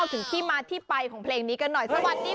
ถึงที่มาที่ไปของเพลงนี้กันหน่อย